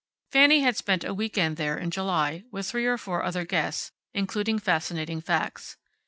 Fanny had spent a week end there in July, with three or four other guests, including Fascinating Facts.